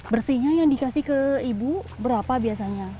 bersihnya yang dikasih ke ibu berapa biasanya